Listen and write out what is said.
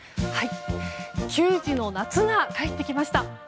球児の夏が帰ってきました。